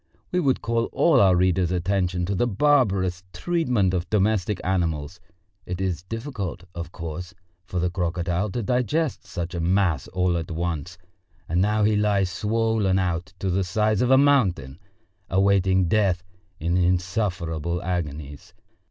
We would call our readers' attention to the barbarous treatment of domestic animals: it is difficult, of course, for the crocodile to digest such a mass all at once, and now he lies swollen out to the size of a mountain, awaiting death in insufferable agonies.